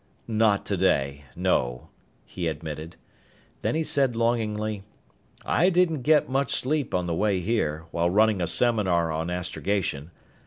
"Not today, no," he admitted. Then he said longingly, "I didn't get much sleep on the way here, while running a seminar on astrogation.